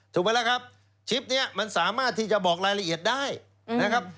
ถูกไหมล่ะครับคลิปนี้มันสามารถที่จะบอกรายละเอียดได้นะครับ